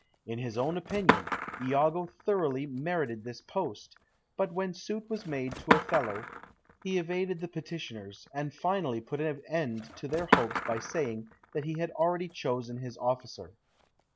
In his own opinion, Iago thoroughly merited this post, but when suit was made to Othello he evaded the petitioners, and finally put an end to their hopes by saying that he had already chosen his officer.